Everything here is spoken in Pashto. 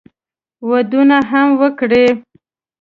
ودونه هم وکړي.